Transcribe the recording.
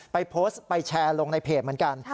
ไปโพสต์ไปแชร์ลงในเพจเหมือนกัน